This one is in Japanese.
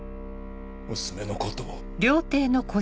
娘のことを。